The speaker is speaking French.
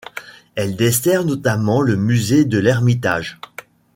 Elle dessert notamment le musée de l'Ermitage.